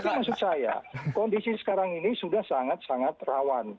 tapi maksud saya kondisi sekarang ini sudah sangat sangat rawan